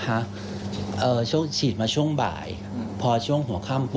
และเสียงถูกครับ